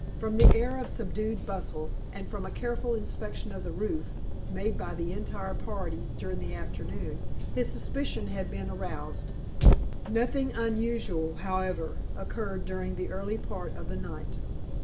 From the air of subdued bustle, and from a careful inspection of the roof, made by the entire party during the afternoon, his suspicion had been aroused. Nothing unusual, however, occurred during the early part of the night.